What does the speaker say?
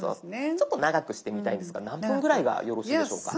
ちょっと長くしてみたいんですが何分ぐらいがよろしいでしょうか？